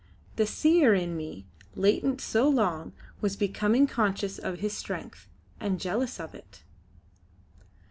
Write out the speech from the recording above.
The Seer in me, latent so long, was becoming conscious of his strength, and jealous of it.